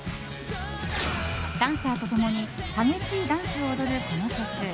ダンサーと共に激しいダンスを踊る、この曲。